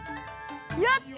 やった！